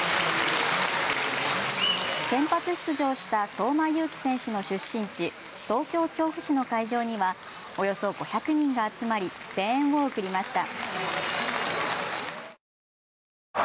先発出場した相馬勇紀選手の出身地、東京調布市の会場にはおよそ５００人が集まり声援を送りました。